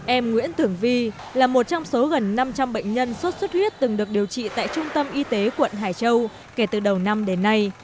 em nguyễn tưởng vi là một trong số gần năm trăm linh bệnh nhân sốt xuất huyết từng được điều trị tại trung tâm y tế quận hải châu kể từ đầu năm đến nay